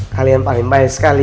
kalian paling baik sekali